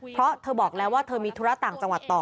เพราะเธอบอกแล้วว่าเธอมีธุระต่างจังหวัดต่อ